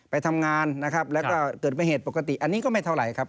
ไปทำงานนะครับแล้วก็เกิดเป็นเหตุปกติอันนี้ก็ไม่เท่าไหร่ครับ